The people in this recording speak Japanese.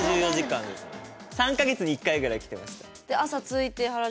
３か月に１回ぐらい来てました。